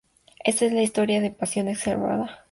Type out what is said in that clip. Ésta es la historia de una pasión exacerbada.